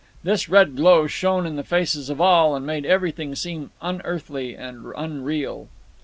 This red glow shone in the faces of all, and made everything seem unearthly and unreal.